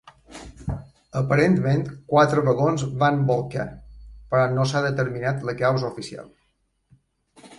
Aparentment, quatre vagons van bolcar, però no s'ha determinat la causa oficial.